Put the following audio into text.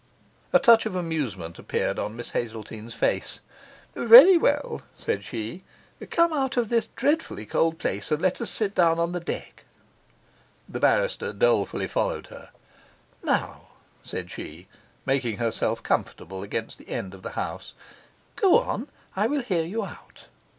A touch of amusement appeared on Miss Hazeltine's face. 'Very well,' said she, 'come out of this dreadfully cold place, and let us sit down on deck.' The barrister dolefully followed her. 'Now,' said she, making herself comfortable against the end of the house, 'go on. I will hear you out.